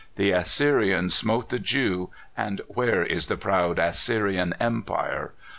The Assyrian smote the Jew, and where is the proud Assyrian Empire?